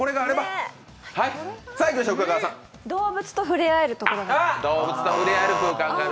動物と触れ合えるとことがある。